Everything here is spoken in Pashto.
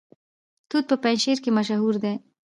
توت په پنجشیر کې مشهور دي